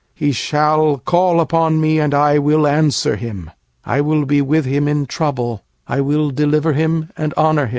16He shall call upon Me, and I will answer him; I will be with him in trouble; I will rescue him, and bring him to honour.